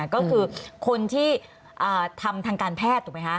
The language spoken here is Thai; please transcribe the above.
ก็คือคนที่ทำทางการแพทย์ถูกไหมคะ